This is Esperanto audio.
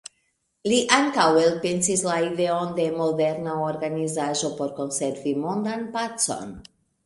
Li ankaŭ elpensis la ideon de moderna organizaĵo por konservi mondan pacon.